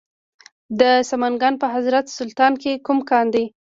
د سمنګان په حضرت سلطان کې کوم کان دی؟